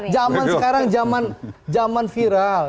zaman sekarang zaman viral